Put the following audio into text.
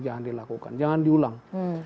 jangan dilakukan jangan diulang